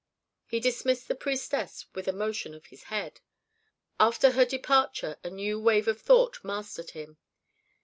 He dismissed the priestess with a motion of his head. After her departure a new wave of thought mastered him.